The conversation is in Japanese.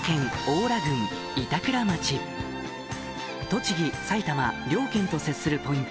栃木埼玉両県と接するポイント